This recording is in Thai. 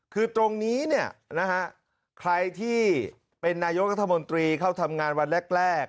คือตรงนี้เนี่ยนะฮะใครที่เป็นนายกรัฐมนตรีเข้าทำงานวันแรก